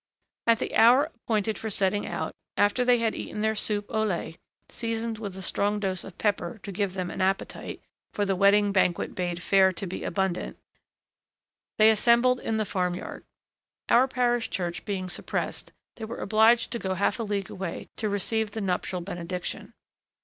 At the hour appointed for setting out, after they had eaten their soup au lait seasoned with a strong dose of pepper to give them an appetite, for the wedding banquet bade fair to be abundant, they assembled in the farm yard. Our parish church being suppressed, they were obliged to go half a league away to receive the nuptial benediction.